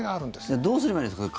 どうすればいいんですか？